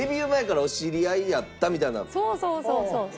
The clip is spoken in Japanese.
そうそうそうそう。